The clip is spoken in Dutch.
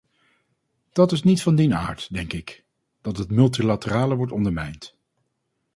Dat is niet van dien aard, denk ik, dat het multilaterale wordt ondermijnd.